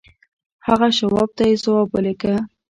هغه شواب ته يې ځواب ولېږه.